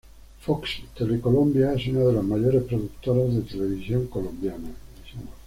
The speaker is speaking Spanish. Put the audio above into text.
Fox Telecolombia es una de las mayores productoras de televisión colombiana.